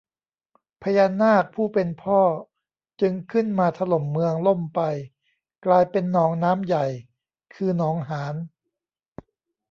พญานาคผู้เป็นพ่อจึงขึ้นมาถล่มเมืองล่มไป กลายเป็นหนองน้ำใหญ่ คือ หนองหาน